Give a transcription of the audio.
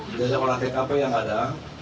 di dalam ruangan tkp yang ada